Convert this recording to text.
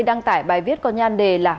đăng tải bài viết có nhan đề là